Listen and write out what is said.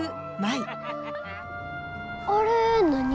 あれ何？